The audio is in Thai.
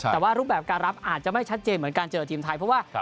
แต่ว่ารูปแบบการรับอาจจะไม่ชัดเจนเหมือนการเจอทีมไทยเพราะว่า